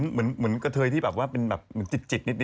เหมือนกระเทยที่แบบว่าเป็นแบบเหมือนจิตนิด